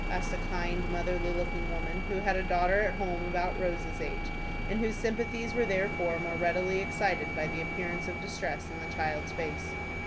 asked a kind, motherly looking woman, who had a daughter at home about Rose's age, and whose sympathies were therefore more readily excited by the appearance of distress in the child's face.